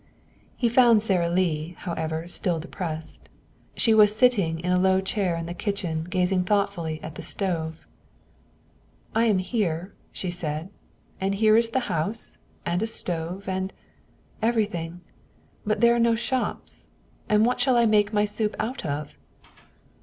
He found Sara Lee, however, still depressed. She was sitting in a low chair in the kitchen gazing thoughtfully at the stove. "I am here," she said. "And here is the house, and a stove, and everything. But there are no shops; and what shall I make my soup out of?"